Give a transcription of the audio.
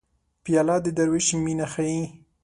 پیاله د دروېش مینه ښيي.